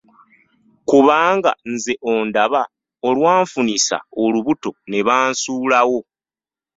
Kubanga nze ondaba, olwanfunisa olubuto ne bansuulawo.